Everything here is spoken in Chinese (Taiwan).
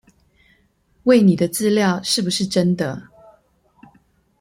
餵你的資訊是不是真的